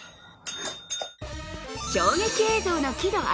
衝撃映像の喜怒哀